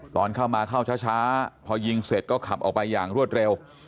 ตอนเข้ามาเข้าช้าพอยิงเสร็จก็ขับออกไปอย่างรวดเร็ว